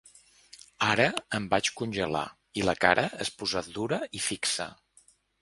Ara em vaig congelar, i la cara es posà dura i fixa.